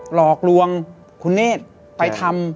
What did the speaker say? หลอกลวงคุณเนธไปทำ